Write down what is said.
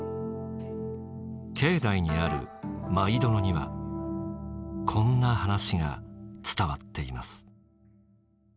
境内にある舞殿にはこんな話が伝わっています。